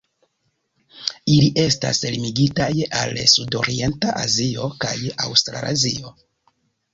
Ili estas limigitaj al sudorienta Azio kaj Aŭstralazio.